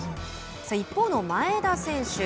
一方の前田選手。